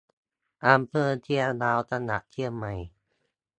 อำเภอเชียงดาว จังหวัดเชียงใหม่